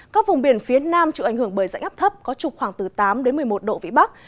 các vùng biển phía nam chịu ảnh hưởng bởi dãnh áp thấp có trục khoảng từ tám đến một mươi một độ vĩ bắc